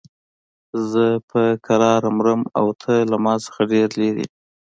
زه په کراره مرم او ته له مانه ډېر لرې یې.